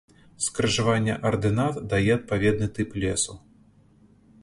Скрыжаванне ардынат дае адпаведны тып лесу.